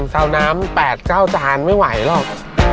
ซาวน้ำ๘๙จานไม่ไหวหรอก